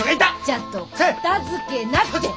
ちゃんと片づけなって！